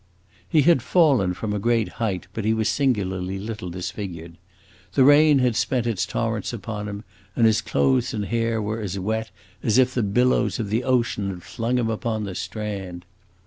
He had fallen from a great height, but he was singularly little disfigured. The rain had spent its torrents upon him, and his clothes and hair were as wet as if the billows of the ocean had flung him upon the strand.